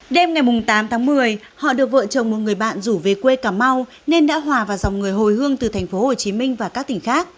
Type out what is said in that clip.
đêm ngày tám tháng một mươi họ được vợ chồng một người bạn rủ về quê cà mau nên đã hòa vào dòng người hồi hương từ tp hcm và các tỉnh khác